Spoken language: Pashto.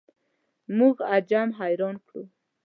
موږ عجم حیران کړو.